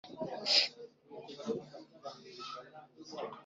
«ubwo ni ukwibuza umugisha: